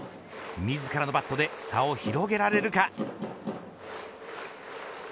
自らのバットで差を広げられるか。